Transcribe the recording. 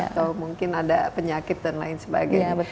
atau mungkin ada penyakit dan lain sebagainya